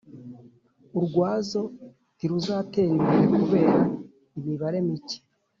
Urwazo ntiruzatera imbere kubera imibare mike